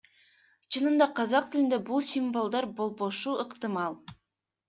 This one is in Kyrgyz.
Чынында казак тилинде бул символдор болбошу ыктымал.